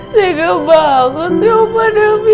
tega banget sih opa davin